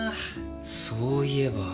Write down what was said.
そういえば。